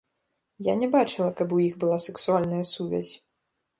Я не бачыла, каб у іх была сексуальная сувязь.